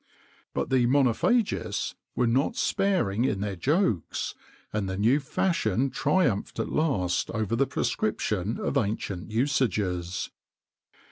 [XXIX 30] But the monophagists were not sparing in their jokes, and the new fashion triumphed at last over the prescription of ancient usages.